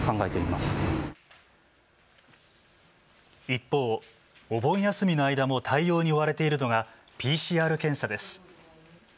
一方、お盆休みの間も対応に追われているのがＰＣＲ検査です。